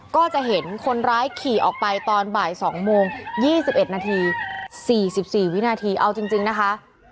ก็จะเห็นคนร้ายขี่ออกไปตอนบ่าย๒โมง๒๑นาที๔๔วินาทีเอาจริงนะคะ